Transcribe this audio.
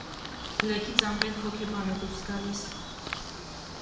Բլեքից անպետք հոգեբան է դուրս գալիս։